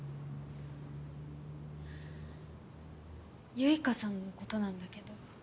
結花さんのことなんだけど。